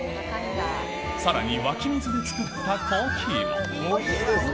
さらに湧き水で作ったコーヒー。